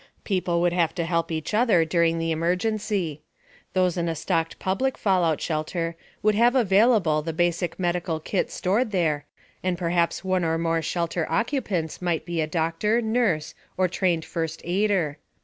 People would have to help each other during the emergency. Those in a stocked public fallout shelter would have available the basic medical kit stored there, and perhaps one or more shelter occupants might be a doctor, nurse, or trained first aider.